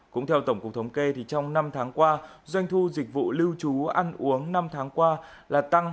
cũng theo tổng cục thống kê trong năm tháng qua doanh thu dịch vụ lưu trú ăn uống năm tháng qua là tăng hai mươi hai một